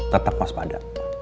tetap mas pada